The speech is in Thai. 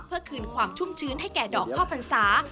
เพื่อคืนความชุ่มชื้นให้แก่ดอกข้าวพรรษา